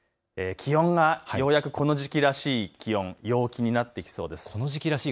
気温がようやくこの時期らしい気温、陽気になってきそうです。